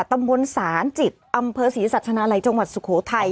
ตำบลศาลจิตอำเภอศรีสัชนาลัยจังหวัดสุโขทัย